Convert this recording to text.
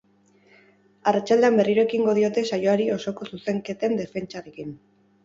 Arratsaldean berriro ekingo diote saioari osoko zuzenketen defentsarekin.